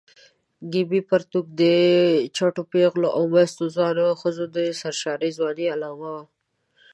ګیبي پرتوګ د چټو پېغلو او مستو ځوانو ښځو د سرشاره ځوانۍ علامه وه.